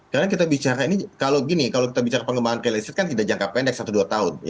karena kita bicara ini kalau gini kalau kita bicara pengembangan real estate kan tidak jangka pendek satu dua tahun